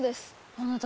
あなた